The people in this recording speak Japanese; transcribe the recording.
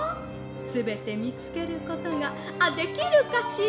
すべてみつけることがあっできるかしら？